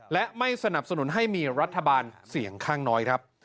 และไม่สนับสนุนให้มีรัฐบาลเสียงข้างน้อยครับ